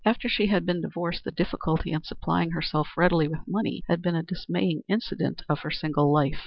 After she had been divorced the difficulty in supplying herself readily with money had been a dismaying incident of her single life.